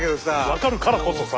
分かるからこそさ。